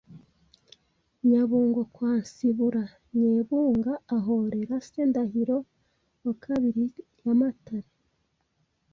nyabungo kwa Nsibura Nyebunga ahorera se Ndahiro II yamatare